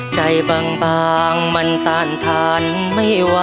ใจบางบางมันตันทุกท่านนะครับ